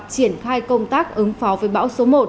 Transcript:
triển khai công tác ứng phó với bão số một